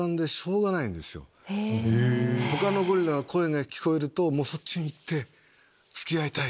他のゴリラの声が聞こえるとそっちに行って付き合いたい！